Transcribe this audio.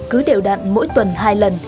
cứ đều đạn mỗi tuần hai lần